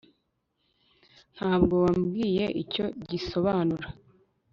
nta bwo wambwiye icyo gisobanura